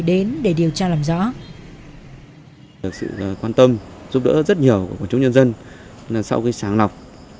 để tập trung sàng lọc